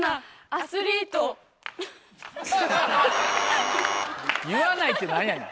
アスリート言わないって何やねん。